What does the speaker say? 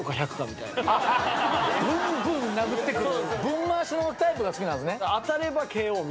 ブンブン殴ってくるブン回しのタイプが好きなんすね。